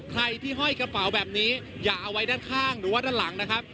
ใครที่ห้อยกระเป๋าแบบนี้อย่าเอาไว้ด้านข้างหรือว่าด้านหลังนะครับ